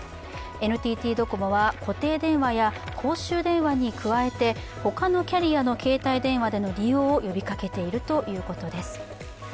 ＮＴＴドコモは、固定電話や公衆電話に加えて、他のキャリアの携帯電話での利用を呼びかけているということです。